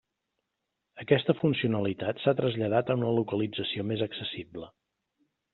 Aquesta funcionalitat s'ha traslladat a una localització més accessible.